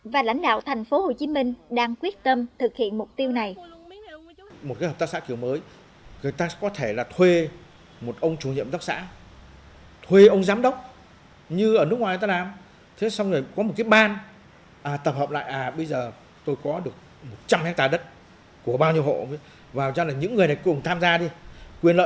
và lãnh đạo thành phố hồ chí minh đang quyết tâm thực hiện mục tiêu này